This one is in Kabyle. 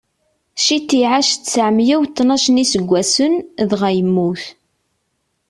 Cit iɛac tteɛmeyya u tnac n iseggasen, dɣa yemmut.